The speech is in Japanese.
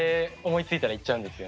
思いついたら言っちゃうんです。